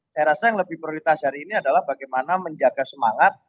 saya rasa yang lebih prioritas hari ini adalah bagaimana menjaga semangat